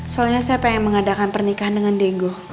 soalnya saya pengen mengadakan pernikahan dengan diengo